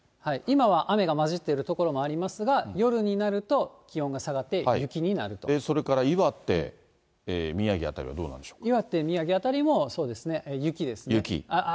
今は雨が交じっている所もありますが、夜になると気温が下がって、それから岩手、岩手、宮城辺りもそうですね、雪ですね。